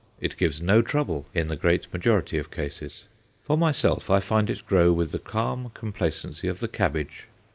It gives no trouble in the great majority of cases. For myself, I find it grow with the calm complacency of the cabbage.